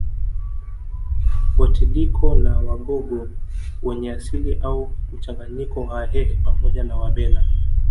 Wetiliko ni Wagogo wenye asili au mchanganyiko na Wahehe pamoja na Wabena